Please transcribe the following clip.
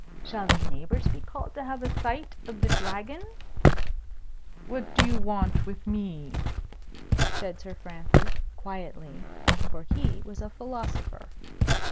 Shall the neighbours be called to have a sight of the Dragon?" "What do you want with me?" said Sir Francis, quietly. For he was a philosopher.